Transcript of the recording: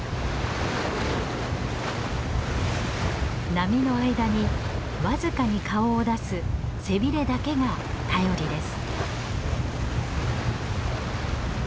波の間に僅かに顔を出す背ビレだけが頼りです。